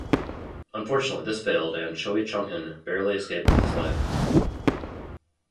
Unfortunately, this failed and Choe Chungheon barely escaped with his life.